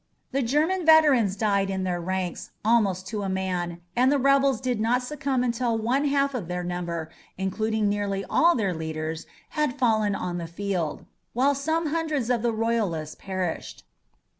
The German veterans died in their ranks almost to a man, and the rebels did not succumb until one half of their number, including nearly all their leaders, had fallen on the field; while some hundreds of the royalists perished.